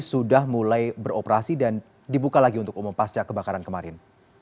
sudah mulai beroperasi dan dibuka lagi untuk umum pasca kebakaran kemarin